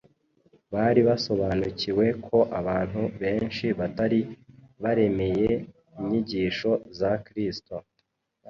Bari basobanukiwe ko abantu benshi batari baremeye inyigisho za Kristo